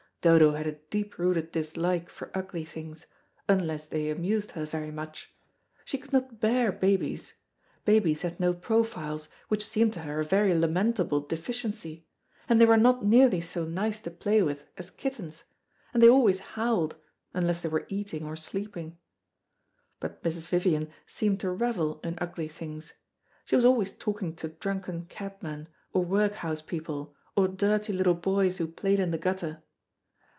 Dodo had a deep rooted dislike for ugly things, unless they amused her very much. She could not bear babies. Babies had no profiles, which seemed to her a very lamentable deficiency, and they were not nearly so nice to play with as kittens, and they always howled, unless they were eating or sleeping. But Mrs. Vivian seemed to revel in ugly things. She was always talking to drunken cabmen, or workhouse people, or dirty little boys who played in the gutter.